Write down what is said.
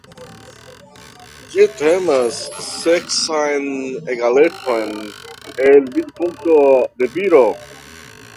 Ĝi temas seksan egalecon el vidpunkto de viro.